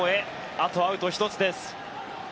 あとアウト１つです。